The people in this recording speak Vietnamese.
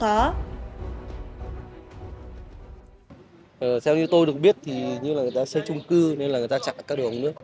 theo như tôi được biết thì như là người ta xây trung cư nên là người ta chặn các đường ống nước